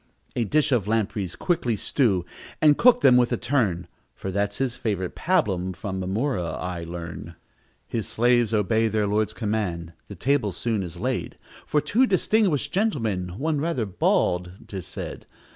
"A dish of lampreys quickly stew, And cook them with a turn, For that's his favorite pabulum From Mamurra I learn." His slaves obey their lord's command; The table soon is laid For two distinguished gentlemen, One rather bald, 'tis said.